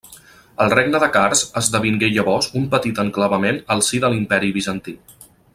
El regne de Kars esdevingué llavors un petit enclavament al si de l'Imperi Bizantí.